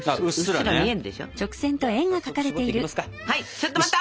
ちょっと待った！